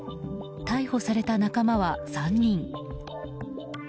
逮捕された仲間は３人。